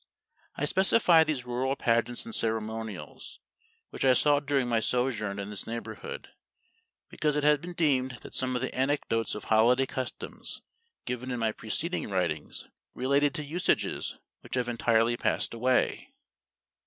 I specify these rural pageants and ceremonials, which I saw during my sojourn in this neighborhood, because it has been deemed that some of the anecdotes of holiday customs given in my preceding writings, related to usages which have entirely passed away.